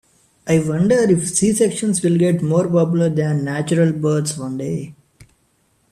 I wonder if C-sections will get more popular than natural births one day.